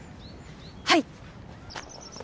はい！